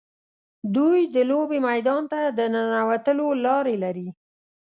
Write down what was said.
دوی د لوبې میدان ته د ننوتلو لارې لري.